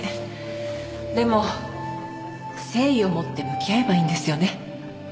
でも誠意をもって向き合えばいいんですよね。